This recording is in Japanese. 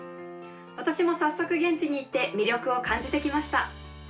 私も早速、現地に行って魅力を感じてきました。